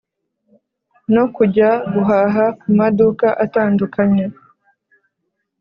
no kujya guhaha kumaduka atandukanye.